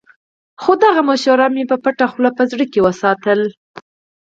خو دا نظريه مې په پټه خوله په زړه کې وساتله.